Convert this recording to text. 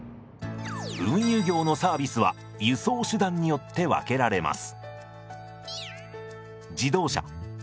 運輸業のサービスは輸送手段によって分けられます。